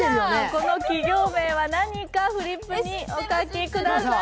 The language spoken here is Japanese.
この企業名は何かフリップにお書きください。